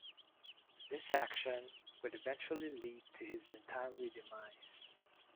This action would eventually lead to his untimely demise.